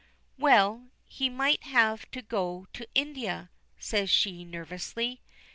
"Well, he might have to go to India," says she, nervously.